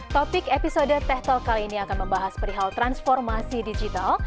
topik episode teh talk kali ini akan membahas perihal transformasi digital